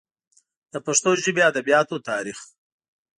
د پښتو ژبې ادبیاتو تاریخ